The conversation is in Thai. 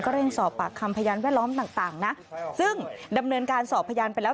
เร่งสอบปากคำพยานแวดล้อมต่างนะซึ่งดำเนินการสอบพยานไปแล้ว